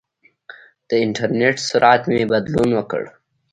د انټرنېټ سرعت مې بدلون وکړ.